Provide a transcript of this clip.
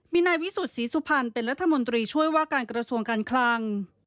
มีนายวิสุทธิสุพรรณเป็นรัฐมนตรีช่วยว่าการกระทรวงการคลัง